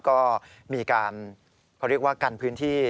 ก็มีการเขาเรียกว่ากันพื้นที่